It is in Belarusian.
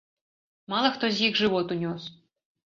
Мала хто з іх жывот унёс.